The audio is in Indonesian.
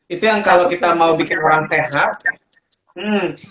itu yang kalau kita mau bikin orang sehat